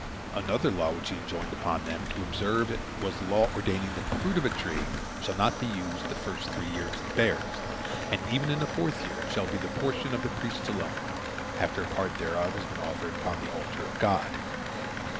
Another law which he enjoined upon them, to observe it, was the law ordaining that the fruit of a tree shall not be used the first three years it bears, and even in the fourth year it shall be the portion of the priests alone, after a part thereof has been offered upon the altar of God.